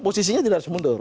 posisinya tidak harus mundur